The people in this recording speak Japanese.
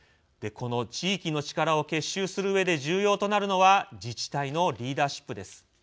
この地域の力を結集するうえで重要となるのは自治体のリーダーシップです。